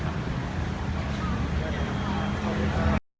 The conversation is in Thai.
ขอบคุณครับทุกคน